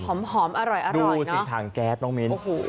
หอมหอมอร่อยอร่อยเนอะดูสิ่งทางแก๊สน้องมิ้นโอ้โห